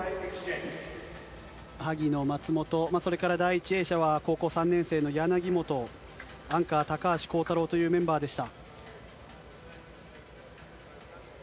萩野、松元、それから第１泳者は高校３年生の柳本、アンカー、高橋航太郎というメンバーでした。